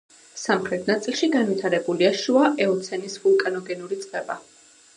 სამხრეთ ნაწილში განვითარებულია შუა ეოცენის ვულკანოგენური წყება.